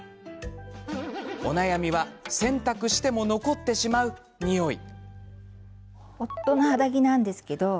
お悩みは洗濯しても残ってしまうニオイ。